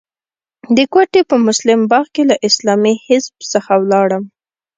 د کوټې په مسلم باغ کې له اسلامي حزب څخه ولاړم.